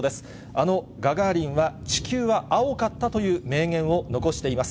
あのガガーリンは、地球は青かったという名言を残しています。